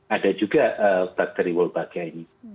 ada juga bakteri wolbachia ini